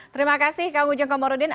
terima kasih kak ujung komarudin